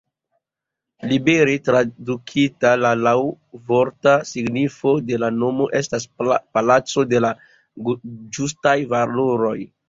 Libere tradukita, la laŭvorta signifo de la nomo estas: "Palaco de la Ĝustaj Valoroj".